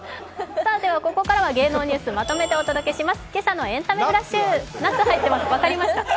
ではここからは芸能ニュースをまとめてお送りします。